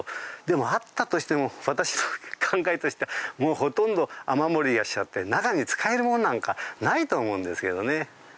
でもあったとしても私の考えとしてはもうほとんど雨漏りがしちゃって中に使えるものなんかないと思うんですけどね。